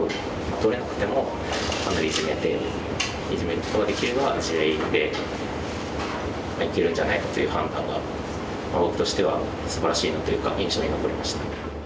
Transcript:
取れなくてもイジメてイジメることができれば地合いでいけるんじゃないかという判断が僕としてはすばらしいなというか印象に残りました。